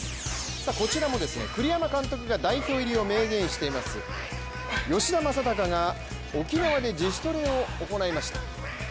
こちらもですね、栗山監督が代表入りを明言しています吉田正尚が、沖縄で自主トレを行いました。